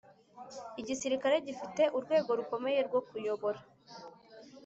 igisirikare gifite urwego rukomeye rwo kuyobora.